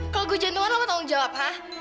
kalo gue jantungan lu apa tanggung jawab